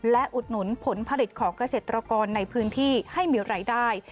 และอุดหนุนผลผลิตของเกษตรกรในพื้นที่ให้มีรายได้